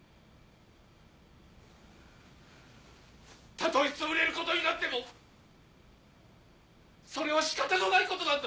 たとえ潰れる事になってもそれは仕方のない事なんだ！